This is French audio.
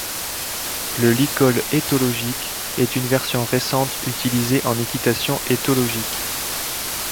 Le licol éthologique est une version récente utilisée en équitation éthologique.